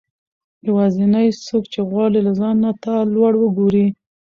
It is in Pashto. يوازنی څوک چې غواړي له ځانه تا لوړ وګورئ